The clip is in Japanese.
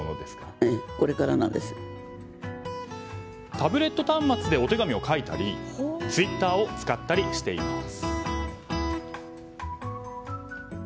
タブレット端末でお手紙を書いたりツイッターを使ったりしています。